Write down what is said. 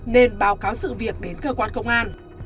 nên báo cáo sự việc đến cơ quan công an